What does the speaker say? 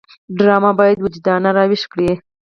ډرامه باید وجدانونه راویښ کړي